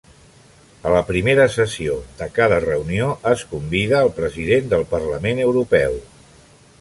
A la primera sessió de cada reunió es convida al President del Parlament Europeu.